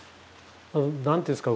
何ていうんですか？